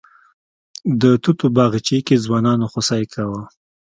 د توتو باغچې کې ځوانانو خوسی کوه.